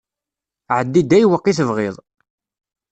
Ɛeddi-d ayweq i tebɣiḍ.